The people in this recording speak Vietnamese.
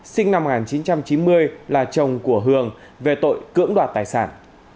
sinh năm một nghìn chín trăm chín mươi là chồng của hường về tội cưỡng đoạt tài sản